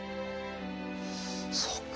そうか。